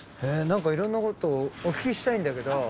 何かいろんなことをお聞きしたいんだけど。